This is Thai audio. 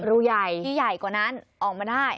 รูใหญ่ที่ใหญ่กว่านั้นออกมาได้